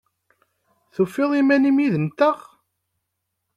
Tufiḍ iman-im yid-nteɣ?